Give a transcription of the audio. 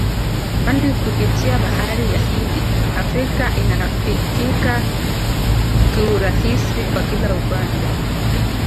kwani kupitia bahari ya Hindi Afrika inafikika kiurahisi kwa kila upande